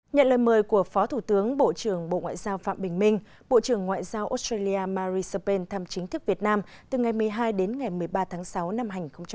nhận lời mời của phó thủ tướng bộ trưởng bộ ngoại giao phạm bình minh bộ trưởng ngoại giao australia mary serpent thăm chính thức việt nam từ ngày một mươi hai đến ngày một mươi ba tháng sáu năm hai nghìn hai mươi